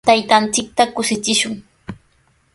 Taytanchikta kushichishun.